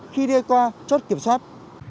khi đi qua chốt kiểm soát